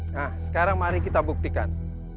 nah sekarang mari kita buktikan